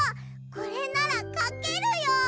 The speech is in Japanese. これならかけるよ。